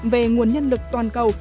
về nguồn nhân lực toàn cầu